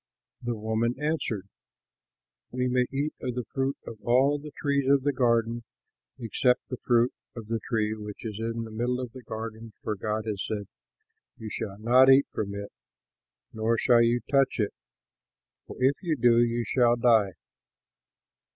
The woman answered, "We may eat of the fruit of all the trees of the garden except the fruit of the tree which is in the middle of the garden, for God has said, 'You shall not eat from it, nor shall you touch it; for if you do, you shall die.'"